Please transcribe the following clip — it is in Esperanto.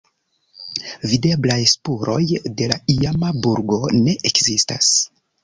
Videblaj spuroj de la iama burgo ne ekzistas.